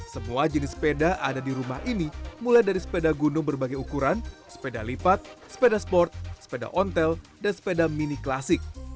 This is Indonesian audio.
semua jenis sepeda ada di rumah ini mulai dari sepeda gunung berbagai ukuran sepeda lipat sepeda sport sepeda ontel dan sepeda mini klasik